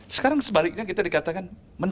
sekarang sebaliknya kita dikatakan